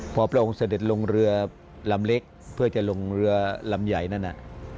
พอพระองค์เสด็จลงเรือลำเล็กเพื่อจะลงเรือลำใหญ่นั่นน่ะ